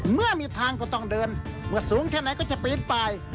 เมื่อมีทางก็ต้องเดินเมื่อสูงแค่ไหนก็จะปีนไป